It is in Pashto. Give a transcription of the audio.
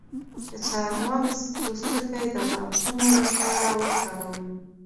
د چارمغز پوستکی د غاښونو لپاره وکاروئ